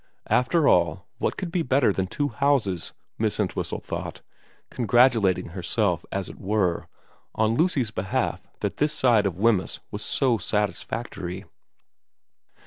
After all, what could be better than two houses, Miss Entwhistle thought, congratulating herself, as it were, on Lucy's behalf that this side of Wemyss was so satisfactory.